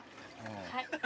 はい。